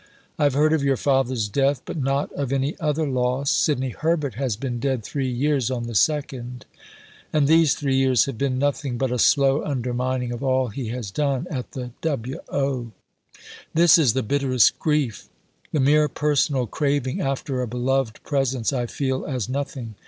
I had heard of your father's death, but not of any other loss. Sidney Herbert has been dead three years on the 2nd. And these three years have been nothing but a slow undermining of all he has done (at the W.O.). This is the bitterest grief. The mere personal craving after a beloved presence I feel as nothing.